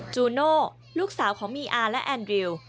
จูโน่ลูกสาวของมีอาและแอนดริว